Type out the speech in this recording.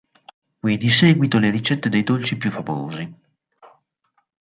Qui di seguito le ricette dei dolci più famosi.